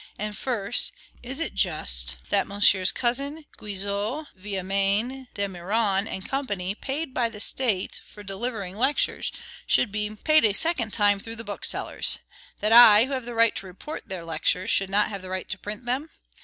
And first, is it just that MM. Cousin, Guizot, Villemain, Damiron, and company, paid by the State for delivering lectures, should be paid a second time through the booksellers? that I, who have the right to report their lectures, should not have the right to print them?